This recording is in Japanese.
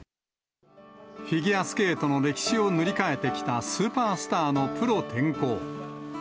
フィギュアスケートの歴史を塗り替えてきたスーパースターのプロ転向。